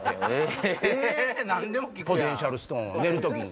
ポテンシャルストーンを寝る時に。